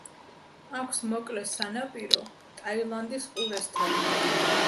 აქვს მოკლე სანაპირო ტაილანდის ყურესთან.